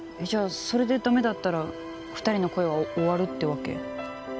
じゃあそれでダメだったら二人の恋は終わるってわけ？